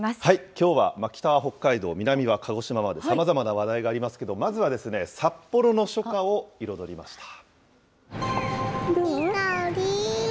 きょうは北は北海道、南は鹿児島まで、さまざまな話題がありますけど、まずは札幌の初夏を彩りました。